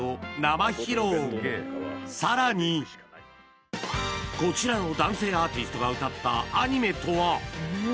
さらにこちらの男性アーティストが歌ったアニメとは？